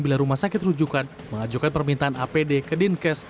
bila rumah sakit rujukan mengajukan permintaan apd ke dinkes